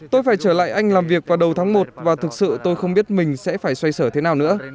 tôi phải trở lại anh làm việc vào đầu tháng một và thực sự tôi không biết mình sẽ phải xoay sở thế nào nữa